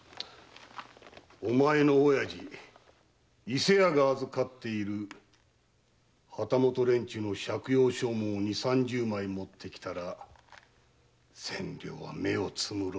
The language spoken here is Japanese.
お前の親父伊勢屋が預かってる旗本連中の借用証文を三十枚ほど持ってきたら千両は目をつむろう。